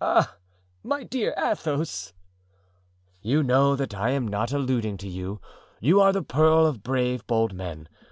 "Ah! my dear Athos!" "You know that I am not alluding to you; you are the pearl of brave, bold men.